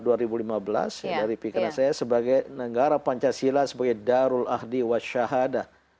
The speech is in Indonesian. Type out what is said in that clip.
dari pikiran saya sebagai negara pancasila sebagai darul ahdi wa syahadah